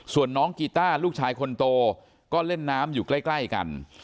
ส่วนน้องกีต้าลูกชายคนโตก็เล่นน้ำอยู่ใกล้กัน